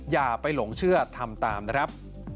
อย่าไปหลงเชื่อทำตามนะครับ